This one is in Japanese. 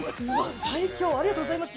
ありがとうございます。